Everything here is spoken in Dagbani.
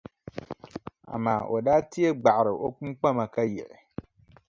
Amaa o daa tee gbaɣiri o kpuŋkpama ka yiɣi.